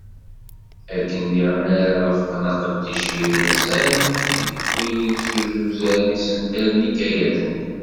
Akken diɣen ara rafqen aqeddic yerzan tiwwin d usuzer n yisental n yikayaden.